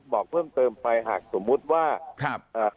บอกเพิ่มเติมไปถ้าสมมุติว่า